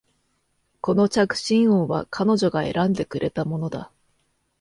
この着信音は彼女が選んでくれたものだ